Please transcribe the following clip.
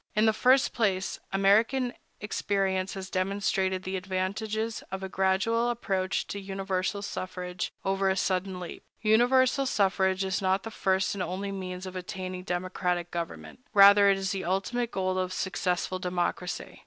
In the first place, American experience has demonstrated the advantages of a gradual approach to universal suffrage, over a sudden leap. Universal suffrage is not the first and only means of attaining democratic government; rather, it is the ultimate goal of successful democracy.